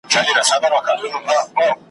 د قسمت پر تورو لارو د ډېوې په انتظار یم ,